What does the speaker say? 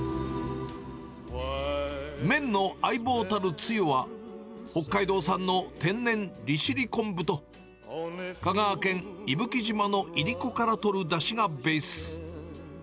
麺の相棒たるつゆは、北海道産の天然利尻昆布と、香川県伊吹島のイリコからとるだしがベース。